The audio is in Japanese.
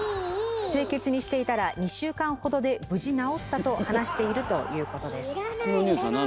清潔にしていたら２週間ほどで無事治ったと話しているということです。